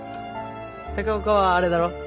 高岡はあれだろ？